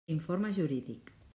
Informe jurídic.